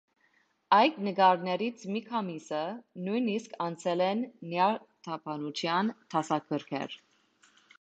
Այդ նկարներից մի քանիսը, նույնիսկ անցել են նյարդաբանության դասագրքեր։